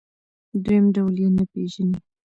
دویم ډول یې نه پېژني.